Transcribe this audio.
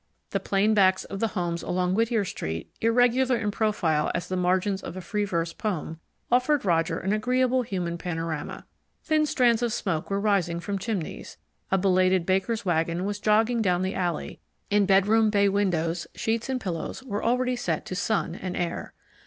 The plain backs of the homes along Whittier Street, irregular in profile as the margins of a free verse poem, offered Roger an agreeable human panorama. Thin strands of smoke were rising from chimneys; a belated baker's wagon was joggling down the alley; in bedroom bay windows sheets and pillows were already set to sun and air.